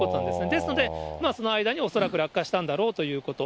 ですので、その間に恐らく落下したんだろうということ。